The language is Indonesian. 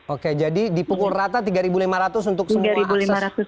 oke jadi di pukul rata rp tiga lima ratus untuk semua asas